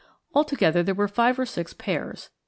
Altogether there were five or six pairs.